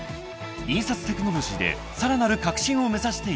［印刷テクノロジーでさらなる革新を目指していく］